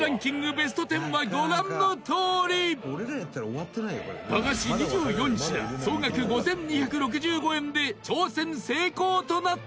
ベスト１０は、ご覧のとおり駄菓子２４品総額５２６５円で挑戦成功となった